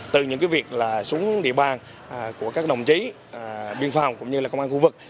từ những việc xuống địa bàn của các đồng chí biên phòng cũng như là công an khu vực